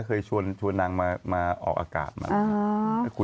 เคยชวนนางมาออกอากาศมา